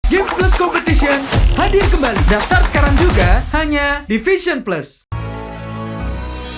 game plus competition hadir kembali daftar sekarang juga hanya di fashion plus